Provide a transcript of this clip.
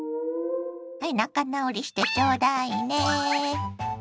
はい仲直りしてちょうだいね。